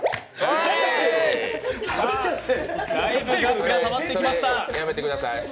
だいぶガスがたまってきました。